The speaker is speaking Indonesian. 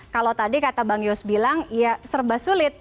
kalau tadi kata bang yos bilang ya serba sulit